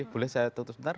boleh saya tutup sebentar